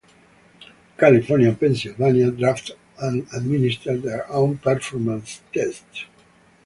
California and Pennsylvania draft and administer their own performance tests.